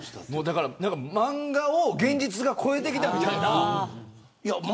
漫画を現実が超えてきたみたいな。